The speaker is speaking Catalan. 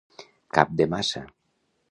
Cap de maça.